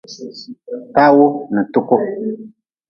Tawu n tuku.